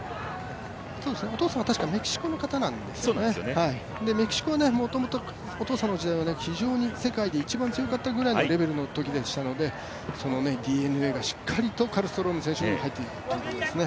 お父さんは確かメキシコの方なんですよね、メキシコはもともとお父さんの時代は、世界で一番強かったときのレベルですのでＤＮＡがしっかりカルストローム選手にも入っているということですね。